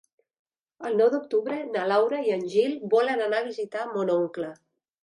El nou d'octubre na Laura i en Gil volen anar a visitar mon oncle.